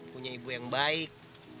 punya ibu yang baik